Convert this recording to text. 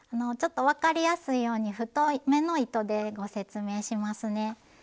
ちょっと分かりやすいように太めの糸でご説明しますね。